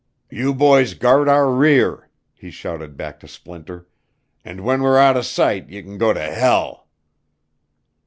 "You boys guard our rear," he shouted back to Splinter, "and when we're outer sight ye can go ter hell."